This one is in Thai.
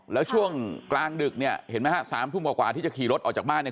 แล้วช่วงกลางดึกเนี่ยเห็นไหมฮะสามทุ่มกว่าที่จะขี่รถออกจากบ้านเนี่ย